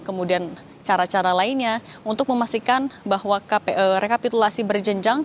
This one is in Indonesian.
kemudian cara cara lainnya untuk memastikan bahwa rekapitulasi berjenjang